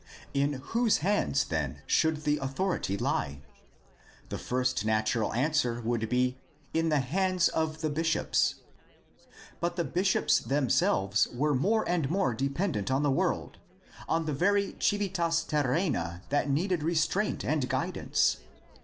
In whose hands then should the authority lie? The first natural answer would be: In the hands of the bishops. But the bishops themselves were more and more dependent on the world, on the very civitas terrena that needed restraint and guidance.